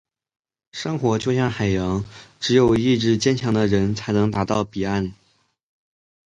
生活就像海洋，只有意志坚强的人，才能到达彼岸。